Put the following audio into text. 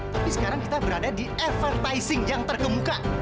tapi sekarang kita berada di advertising yang tergemuka